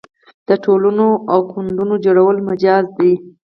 د ټولنو او ګوندونو جوړول مجاز دي.